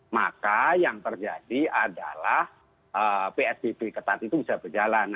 maka yang terjadi adalah psbb ketat itu bisa berjalan